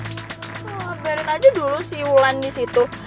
kabarin aja dulu si wulan disitu